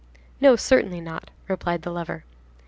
"No, certainly not!" replied the lover.